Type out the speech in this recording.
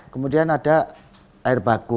kemudian ada air baku